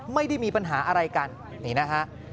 ไม่ได้มีปัญหาอะไรกันนี่นะฮะ